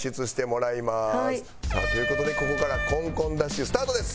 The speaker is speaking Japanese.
さあという事でここからコンコンダッシュスタートです。